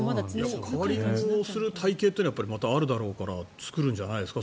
カーリングをする体形というのがまたあるだろうから作るんじゃないですか？